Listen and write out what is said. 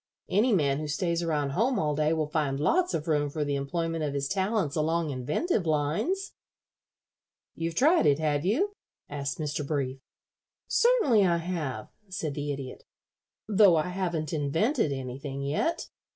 Any man who stays around home all day will find lots of room for the employment of his talents along inventive lines." "You've tried it, have you?" asked Mr. Brief. "Certainly I have," said the Idiot, "though I haven't invented anything yet.